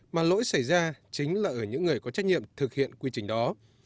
mà lỗi xảy ra chính là ở những người có trách nhiệm thực hiện quy trình đó